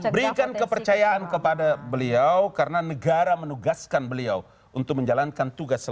berikan kepercayaan kepada beliau karena negara menugaskan beliau untuk menjalankan tugasnya